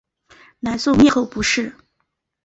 南宋灭后不仕。